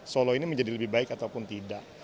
solo ini menjadi lebih baik ataupun tidak